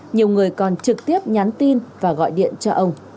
nhiều người còn trực tiếp nhắn tin và gọi điện cho ông